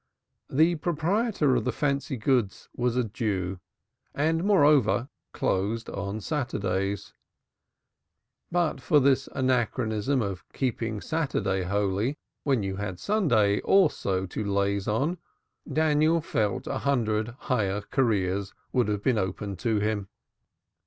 The proprietor of the fancy goods was a Jew, and moreover closed on Saturdays. But for this anachronism of keeping Saturday holy when you had Sunday also to laze on, Daniel felt a hundred higher careers would have been open to him.